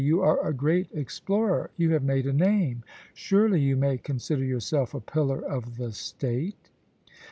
You are a great explorer. You have made a name. Surely you may con sider yourself a pillar of the State.'